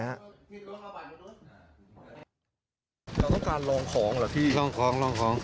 อยากลองของเหรอพี่ลองของ